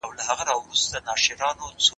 ¬ ترخه وخوره، خو ترخه مه وايه.